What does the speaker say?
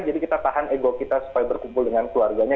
jadi kita tahan ego kita supaya berkumpul dengan keluarganya